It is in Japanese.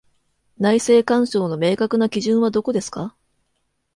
内政干渉の明確な基準はどこですか？